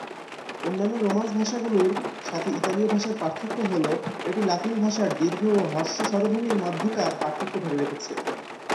অন্যান্য রোমান্স ভাষাগুলির সাথে ইতালীয় ভাষার পার্থক্য হল এটি লাতিন ভাষার দীর্ঘ ও হ্রস্ব স্বরধ্বনির মধ্যকার পার্থক্য ধরে রেখেছে।